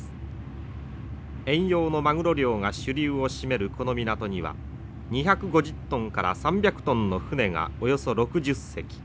遠洋のマグロ漁が主流を占めるこの港には２５０トンから３００トンの船がおよそ６０隻。